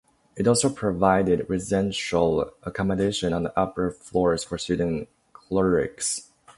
It also provided residential accommodation on the upper floors for student clerics.